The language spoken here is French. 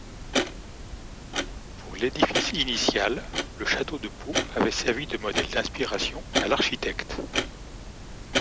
Pour l'édifice initial, le château de Pau avait servi de modèle d'inspiration à l'architecte.